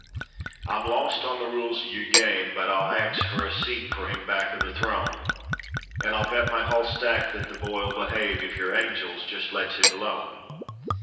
I'm lost on the rules o' yer game, but I'll ax Fur a seat fur him back o' the throne, And I'll bet my hull stack thet the boy'll behave If yer angels jist lets him alone.